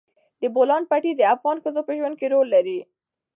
د بولان پټي د افغان ښځو په ژوند کې رول لري.